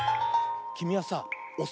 きみはさおす